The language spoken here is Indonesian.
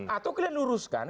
atau kalian luruskan